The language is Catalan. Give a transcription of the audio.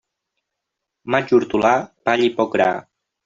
Maig hortolà, palla i poc gra.